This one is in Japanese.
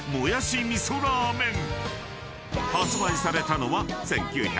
［発売されたのは］